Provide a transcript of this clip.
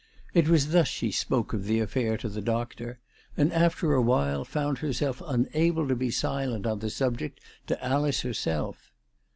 It was thus she spoke of the affair to the doctor, and after awhile found herself unable to be silent on the subject to Alice herself.